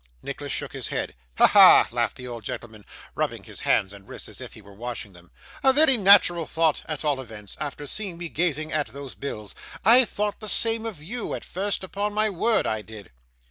Nicholas shook his head. 'Ha! ha!' laughed the old gentleman, rubbing his hands and wrists as if he were washing them. 'A very natural thought, at all events, after seeing me gazing at those bills. I thought the same of you, at first; upon my word I did.